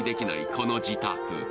この自宅。